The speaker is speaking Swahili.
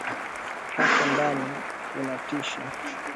Hapo ndani kunatisha